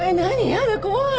やだ怖い。